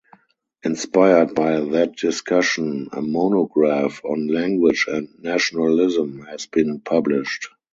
Inspired by that discussion, a monograph on language and nationalism has been published.